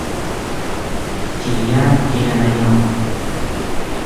Chiñá kiana ñeʼed.